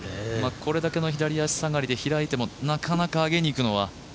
これだけの左足下りで開いてもなかなか上げにいくのは。